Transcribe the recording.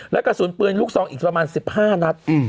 และกระสุนปืนลูกซองอีกประมาณ๑๕นัด